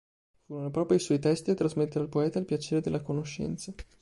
Furono proprio i suoi testi a trasmettere al poeta il piacere della conoscenza.